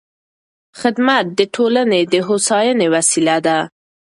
خدمت د ټولنې د هوساینې وسیله ده.